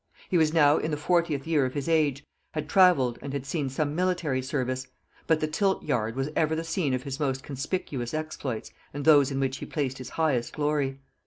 He was now in the fortieth year of his age, had travelled, and had seen some military service; but the tilt yard was ever the scene of his most conspicuous exploits and those in which he placed his highest glory.